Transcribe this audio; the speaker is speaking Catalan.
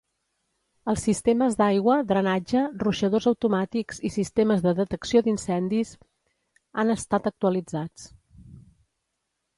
Els sistemes d'aigua, drenatge, ruixadors automàtics i sistemes de detecció d'incendis han estat actualitzats.